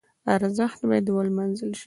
ارزښت باید ولمانځل شي.